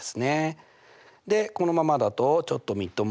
でこのままだとちょっとみっともないんですよ。